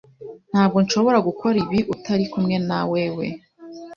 Ntabwo nshobora gukora ibi utari kumwe nawewe, .